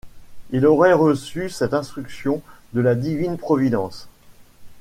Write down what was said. Il aurait reçu cette instruction de la divine providence.